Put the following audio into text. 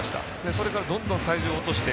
それから、どんどん体重、落として。